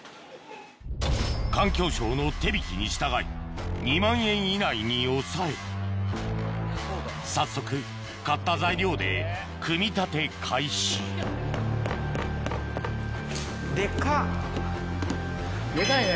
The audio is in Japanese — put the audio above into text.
環境省の手引きに従い２万円以内に抑え早速買った材料で組み立て開始デカいね。